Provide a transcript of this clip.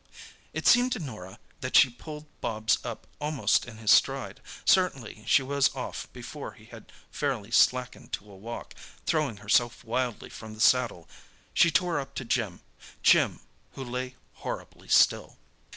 It seemed to Norah that she pulled Bobs up almost in his stride. Certainly she was off before he had fairly slackened to a walk, throwing herself wildly from the saddle. She tore up to Jim—Jim, who lay horribly still.